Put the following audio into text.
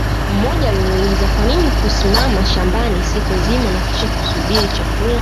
Mmoja aliniuliza Kwanini kusimama shambani siku nzima na kisha kusubiri chakula